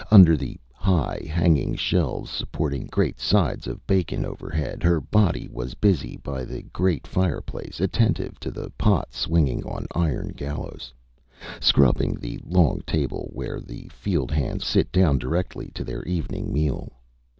Under the high hanging shelves supporting great sides of bacon overhead, her body was busy by the great fireplace, attentive to the pot swinging on iron gallows, scrubbing the long table where the field hands would sit down directly to their evening meal.